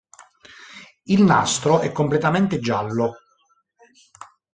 Il "nastro" è completamente giallo.